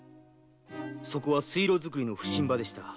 そこは水路作りの普請場でした。